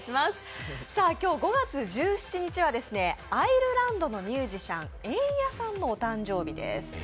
今日、５月１７日はアイルランドのミュージシャン、エンヤさんのお誕生日です。